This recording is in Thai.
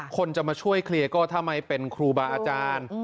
คนจะมาช่วยเคลียร์ก็ทำไมเป็นครูบาอาจารย์